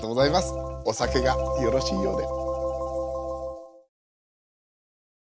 お酒がよろしいようで。